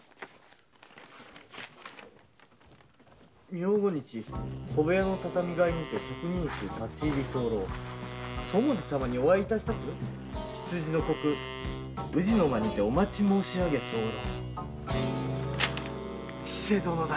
「明後日小部屋の畳替えにて職人衆立ち入り候」「そもじ様にお会いいたしたく未の刻宇治の間にてお待ち申しあげ候」千勢殿だ！